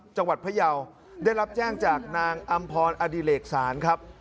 จังหวัดพยาวได้รับแจ้งจากนางอำพรอดิเหลกศาลครับ